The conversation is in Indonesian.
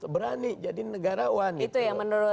berani jadi negarawan